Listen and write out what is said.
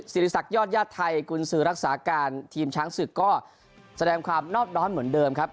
ศิริษักยอดญาติไทยกุญสือรักษาการทีมช้างศึกก็แสดงความนอบน้อมเหมือนเดิมครับ